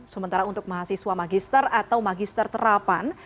sementara untuk mahasiswa magister atau magister terapan